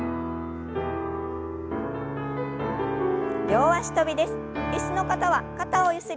両脚跳びです。